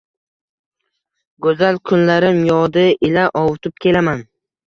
Go‘zal kunlarim yodi ila ovutib kelaman.